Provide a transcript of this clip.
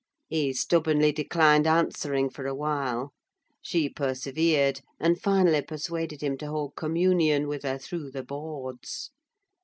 He stubbornly declined answering for a while: she persevered, and finally persuaded him to hold communion with her through the boards.